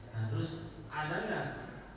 nah terus ada gak